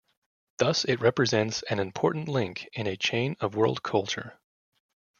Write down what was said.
Thus, it represents an important link in a chain of world culture.